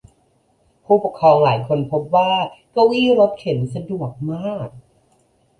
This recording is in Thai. ผู้ปกครองหลายคนพบว่าเก้าอี้รถเข็นสะดวกมาก